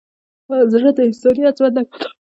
زړه د انساني عظمت نښه ده.